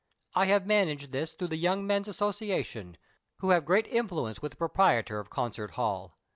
I have managed this through the Young Men's Association, wlio have great intiuence with the proprietor of Concert Hall.